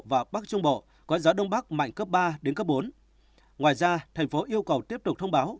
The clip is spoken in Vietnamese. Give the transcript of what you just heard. và bắc trung bộ có gió đông bắc mạnh cấp ba đến cấp bốn ngoài ra thành phố yêu cầu tiếp tục thông báo